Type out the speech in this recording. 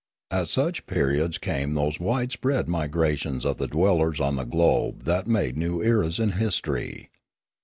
At such periods came those wide spread migrations of the dwellers on the globe that made new eras in history.